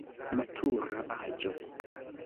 Matura aĝo.